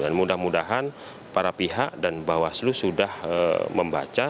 dan mudah mudahan para pihak dan bawah seluruh sudah membaca